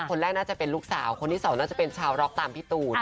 คนแรกน่าจะเป็นลูกสาวคนที่สองน่าจะเป็นชาวร็อกตามพี่ตูน